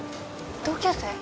同級生？